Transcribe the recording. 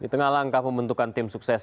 di tengah langkah pembentukan tim sukses